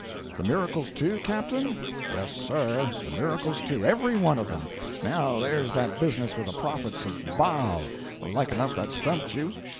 'The miracles, too, captain?' 'Yes, sir! the miracles, too. Every one of them. Now, there's that business with the prophets of Baal; like enough that stumped you?'